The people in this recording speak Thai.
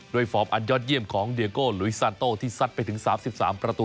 ด้วยฟอร์มอันยอดเยี่ยมของเดียโกลุยซานโตที่สัดไปถึงสามสิบสามประตู